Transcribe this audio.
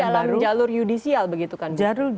tapi masih dalam jalur judicial begitu kan